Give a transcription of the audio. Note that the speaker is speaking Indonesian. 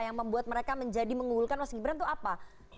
yang membuat mereka menjadi mengunggulkan mas gibran itu apa